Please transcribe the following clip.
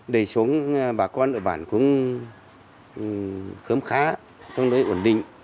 đời sống bà con ở bản cũng khớm khá tương đối ổn định